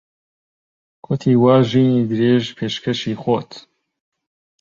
کوتی وا ژینی درێژ پێشکەشی خۆت